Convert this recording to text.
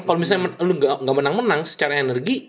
kalau misalnya lo gak menang menang secara energi